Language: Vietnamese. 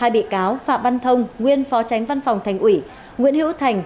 hai bị cáo phạm văn thông nguyên phó tránh văn phòng thành ủy nguyễn hữu thành